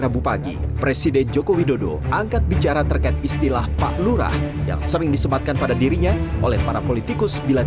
bukan ketua umum partai politik